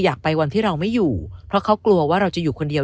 อยากไปวันที่เราไม่อยู่เพราะเขากลัวว่าเราจะอยู่คนเดียว